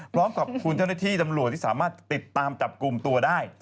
พร้อมขอบคุณเจ้าหน้าที่ตำรวจที่สามารถติดตามจับกลุ่มตัวได้